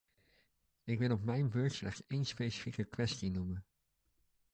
Ik wil op mijn beurt slechts één specifieke kwestie noemen.